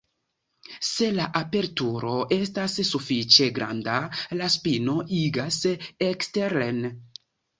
Se la aperturo estas sufiĉe granda, la spino igas eksteren.